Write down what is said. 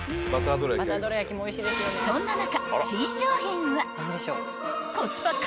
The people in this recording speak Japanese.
［そんな中］